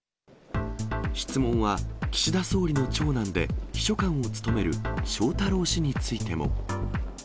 質問は岸田総理の長男で、秘書官を務める翔太郎氏についても。